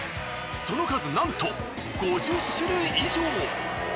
その数なんと５０種類以上！